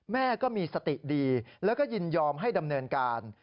แม่ก็มีสติดีแล้วก็ยินยอมให้ดำเนินการ